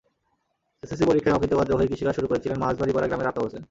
SSC পরীক্ষায় অকৃতকার্য হয়ে কৃষিকাজ শুরু করেছিলেন মাঝবাড়ীপাড়া গ্রামের আফতাব হোসেন।